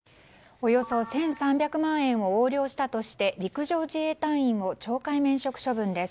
およそ１３００万円を横領したとして陸上自衛隊員を懲戒免職処分です。